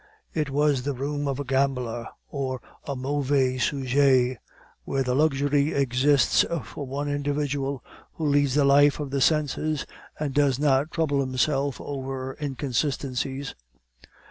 It was the room of a gambler or a mauvais sujet, where the luxury exists for one individual, who leads the life of the senses and does not trouble himself over inconsistencies.